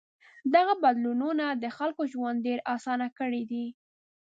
دغو بدلونونو د خلکو ژوند ډېر آسان کړی دی.